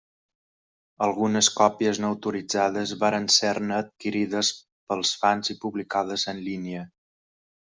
Algunes còpies no autoritzades varen ser-ne adquirides pels fans i publicades en línia.